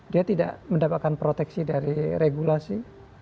dia tidak mendapatkan proteksi dari regulasi